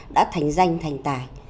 đã thành danh thành tài